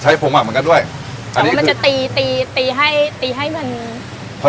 ผงหมักเหมือนกันด้วยแต่ว่ามันจะตีตีตีให้ตีให้มันพอ